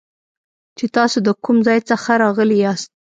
چې تاسو د کوم ځای څخه راغلي یاست